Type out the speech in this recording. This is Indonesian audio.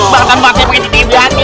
bahkan pak tepang ini dibiangin